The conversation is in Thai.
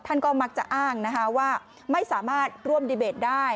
ท่านก็มักจะอ้างนะคะว่าไม่สามารถร่วมดีเบตได้